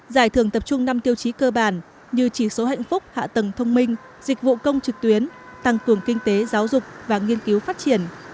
giải thưởng tập trung năm tiêu chí cơ bản như chỉ số hạnh phúc hạ tầng thông minh dịch vụ công trực tuyến tăng cường kinh tế giáo dục và nghiên cứu phát triển